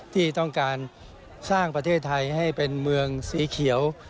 ที่ต้องการสร้างประเทศไทยให้เป็นเมืองสีเขียว